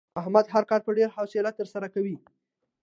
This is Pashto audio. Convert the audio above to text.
احمد هر کار په ډېره حوصله ترسره کوي.